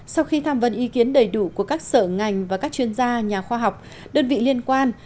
sau khi tham vấn ý kiến đầy đủ của các sở ngành và các chuyên gia nhà khoa học đơn vị liên quan